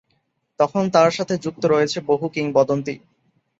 তখন তার সাথে যুক্ত রয়েছে বহু কিংবদন্তী।